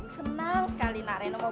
senang sekali nak reno